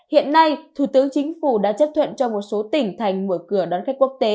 hiện nay thủ tướng chính phủ đã chấp thuận cho một số tỉnh thành mở cửa đón khách quốc tế